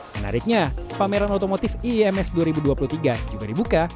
menariknya pameran otomotif iims dua ribu dua puluh tiga juga dibuka